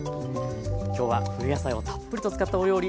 今日は冬野菜をたっぷりと使ったお料理